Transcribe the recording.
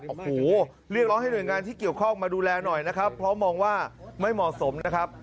โอ้โหเรียกร้องให้หน่วยงานที่เกี่ยวข้องมาดูแลหน่อยนะครับเพราะมองว่าไม่เหมาะสมนะครับ